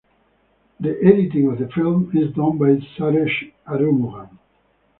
The editing of the film is done by Suresh Arumugam.